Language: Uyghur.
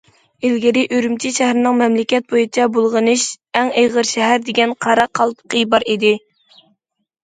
ئىلگىرى ئۈرۈمچى شەھىرىنىڭ« مەملىكەت بويىچە بۇلغىنىش ئەڭ ئېغىر شەھەر» دېگەن قارا قالپىقى بار ئىدى.